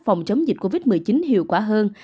phòng chống dịch covid một mươi chín hiệu quả hơn